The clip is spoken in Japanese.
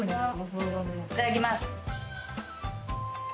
いただきます。